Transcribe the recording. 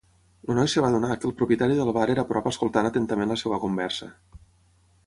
El noi es va adonar que el propietari del bar era a prop escoltant atentament la seva conversa.